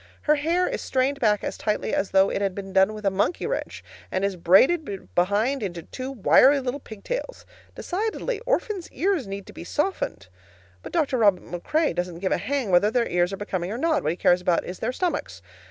Her hair is strained back as tightly as though it had been done with a monkey wrench, and is braided behind into two wiry little pigtails. Decidedly, orphans' ears need to be softened. But Dr. Robin MacRae doesn't give a hang whether their ears are becoming or not; what he cares about is their stomachs.